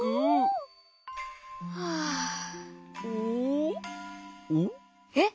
はあえっ！？